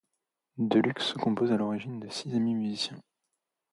Deluxe se compose à l'origine de six amis musiciens.